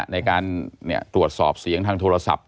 ในการตรวจสอบเสียงทางโทรศัพท์